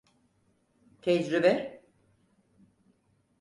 Tecrübe…